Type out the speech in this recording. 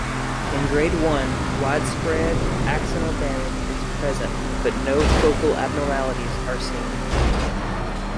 In Grade One, widespread axonal damage is present but no focal abnormalities are seen.